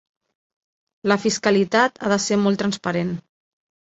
La fiscalitat ha de ser molt transparent.